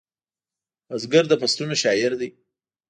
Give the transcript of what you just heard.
بزګر د فصلونو شاعر دی